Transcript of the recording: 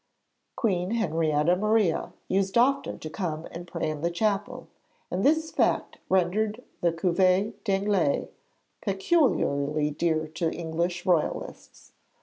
Queen Henrietta Maria used often to come and pray in the chapel, and this fact rendered the Couvent des Anglaises peculiarly dear to English royalists.